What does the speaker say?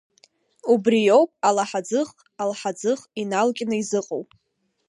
Убриоуп Алаҳаӡых Алҳаӡых иналкьны изыҟоу.